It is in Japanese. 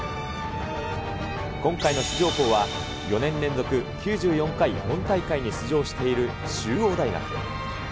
今回の出場校は、４年連続９４回本大会へ出場している中央大学。